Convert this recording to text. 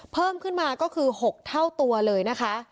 เพิ่มขึ้นมาก็คือ๖เท่าตัวเลยนะคะ